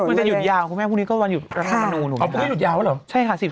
มันจะหยุดยาวครับพี่แม่พรุ่งนี้ก็วันหยุดเรื่องประณูนั้นไว้ครับ